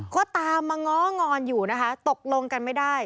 ก็ตามมาง้องอนอยู่นะคะตกลงกันไม่ได้